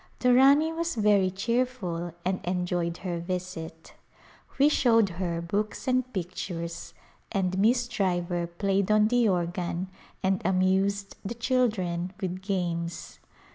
The Rani was very cheerful and enjoyed her visit. We showed her books and pictures and Miss Driver played on the organ and amused the children with games.